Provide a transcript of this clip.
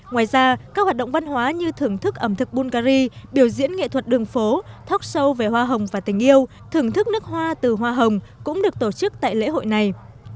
ngoài ra các hoạt động văn hóa như thưởng thức ẩm thực bungary biểu diễn nghệ thuật đường phố thóc sâu về hoa hồng và tình yêu thưởng thức nước hoa từ hoa hồng cũng được tổ chức tại lễ hội này